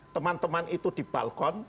teman teman itu di balkon